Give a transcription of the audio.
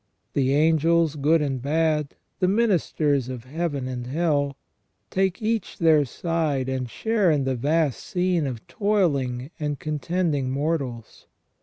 The angels good and bad, the ministers of heaven and hell, take each their side and share in the vast scene of toiling and contending mortals.